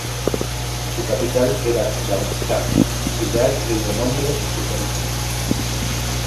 Su capital era Darmstadt, ciudad que le dio nombre en sus orígenes.